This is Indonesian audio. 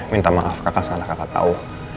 minta maaf kakak salah kakak tau